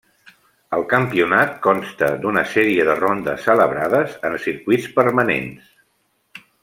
El campionat consta d'una sèrie de rondes celebrades en circuits permanents.